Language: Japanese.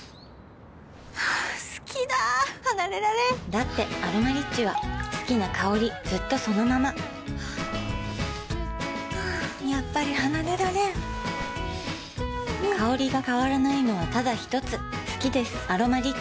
好きだ離れられんだって「アロマリッチ」は好きな香りずっとそのままやっぱり離れられん香りが変わらないのはただひとつ好きです「アロマリッチ」